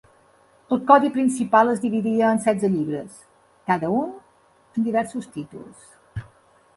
El codi principal es dividia en setze llibres, cada un amb diversos títols.